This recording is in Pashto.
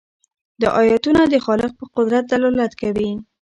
دا آیتونه د خالق په قدرت دلالت کوي.